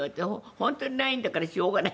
本当にないんだからしょうがない。